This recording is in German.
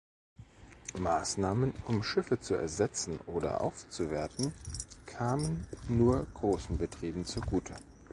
Maßnahmen, um Schiffe zu ersetzen oder aufzuwerten, kamen nur großen Betrieben zugute.